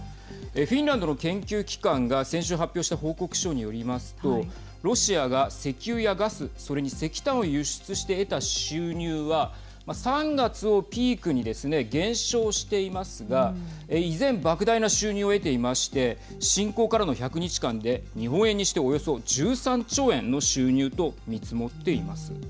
フィンランドの研究機関が先週発表した報告書によりますとロシアが石油やガスそれに石炭を輸出して得た収入は３月をピークにですね減少していますが依然ばく大な収入を得ていまして侵攻からの１００日間で日本円にしておよそ１３兆円の収入と見積もっています。